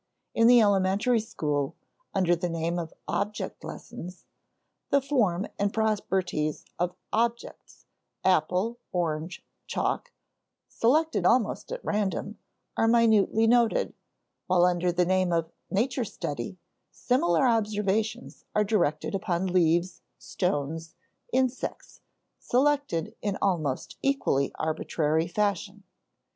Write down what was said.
In the elementary school, under the name of "object lessons," the form and properties of objects, apple, orange, chalk, selected almost at random, are minutely noted, while under the name of "nature study" similar observations are directed upon leaves, stones, insects, selected in almost equally arbitrary fashion.